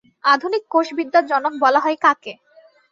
আধুনিক কোষবিদ্যার জনক বলা হয় কাকে?